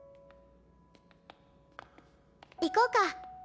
行こうか。